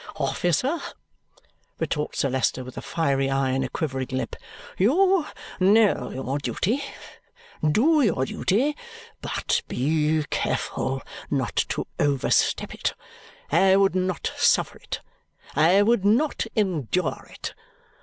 "Officer," retorts Sir Leicester with a fiery eye and a quivering lip, "you know your duty. Do your duty, but be careful not to overstep it. I would not suffer it. I would not endure it.